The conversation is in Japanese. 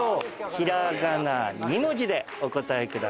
平仮名２文字でお答えください。